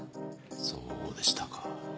そうでしたか。